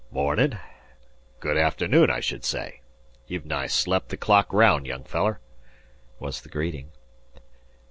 "Mornin' Good afternoon, I should say. You've nigh slep' the clock round, young feller," was the greeting.